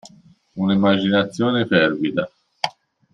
Un'immaginazione fervida.